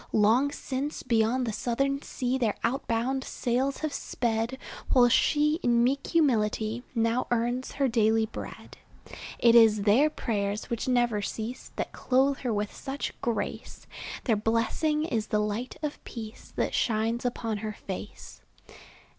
Long since beyond the Southern Sea Their outbound sails have sped, While she, in meek humility, Now earns her daily bread. It is their prayers, which never cease, That clothe her with such grace; Their blessing is the light of peace That shines upon her face.